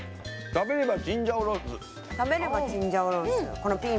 「食べればチンジャオロースー」。